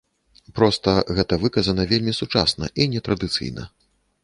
Проста гэта выказана вельмі сучасна і нетрадыцыйна.